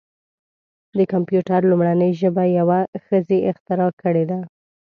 د کمپیوټر لومړنۍ ژبه یوه ښځې اختراع کړې ده.